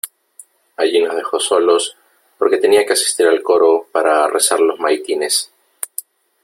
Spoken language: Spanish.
allí nos dejó solos , porque tenía que asistir al coro para rezar los maitines .